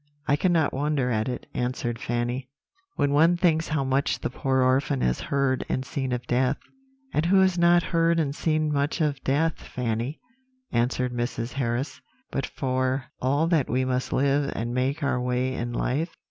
"'I cannot wonder at it,' answered Fanny, 'when one thinks how much the poor orphan has heard and seen of death.' "'And who has not heard and seen much of death, Fanny?' answered Mrs. Harris: 'but for all that we must live and make our way in life.'